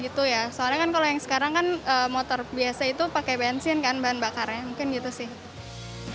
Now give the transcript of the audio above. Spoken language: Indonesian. kan motor biasa itu pakai bensin kan bahan bakarnya mungkin gitu sih